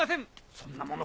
そんなもの